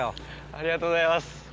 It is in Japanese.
ありがとうございます。